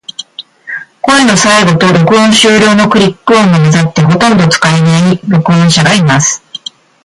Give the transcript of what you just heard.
声の最後と、録音終了のクリック音が混ざって、ほとんど使えない登録者がいます。